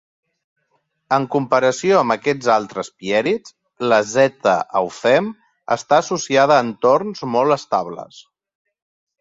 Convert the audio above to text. En comparació amb aquests altres pièrids, la "Z. eufem" està associada a entorns molt estables.